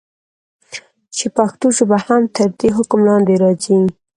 چې پښتو ژبه هم تر دي حکم لاندي راځي.